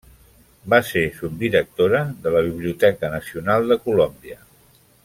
Va ser subdirectora de la Biblioteca Nacional de Colòmbia.